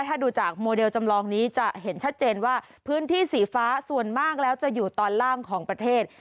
ถ้าดูจากโมเดลจำลองนี้จะเห็นชัดเจนว่าพื้นที่สีฟ้าส่วนมากแล้วจะอยู่ตอนล่างของประเทศ